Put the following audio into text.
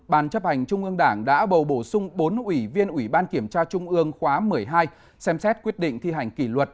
bốn ban chấp hành trung ương đảng đã bầu bổ sung bốn ủy viên ủy ban kiểm tra trung ương khóa một mươi hai xem xét quyết định thi hành kỷ luật